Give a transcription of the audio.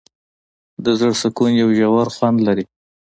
د زړه سکون یو ژور خوند لري.